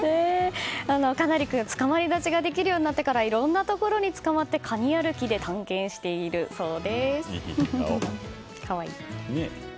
佳也君、つかまり立ちができるようになってからいろんなところにつかまってカニ歩きで探検しているそうです。